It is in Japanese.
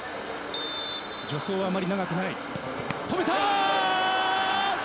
助走はあまり長くない、止めた。